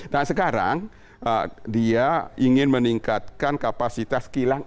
nah sekarang dia ingin meningkatkan kapasitas kilang